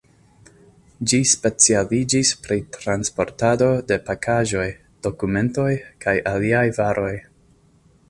Ĝi specialiĝis pri transportado de pakaĵoj, dokumentoj kaj aliaj varoj.